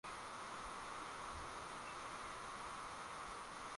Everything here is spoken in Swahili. Inadaiwa wapo waliodai kuwa wao ndiyo waanzilishi wa neno hilo la kutambulisha muziki